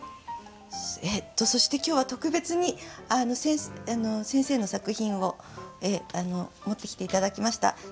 そして今日は特別に先生の作品を持ってきて頂きました。